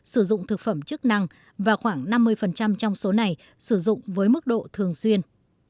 sử dụng thực phẩm chức năng và khoảng năm mươi trong số này sử dụng với mức độ thường xuyên